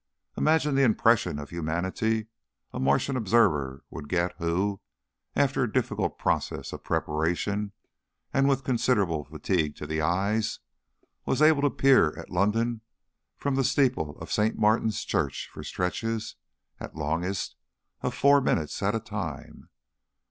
Imagine the impression of humanity a Martian observer would get who, after a difficult process of preparation and with considerable fatigue to the eyes, was able to peer at London from the steeple of St. Martin's Church for stretches, at longest, of four minutes at a time.